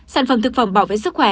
sản phẩm thực phẩm bảo vệ sức khỏe